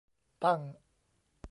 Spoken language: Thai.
ตั้ง